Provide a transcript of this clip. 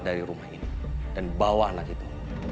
dari rumah ini dan bawa anak itu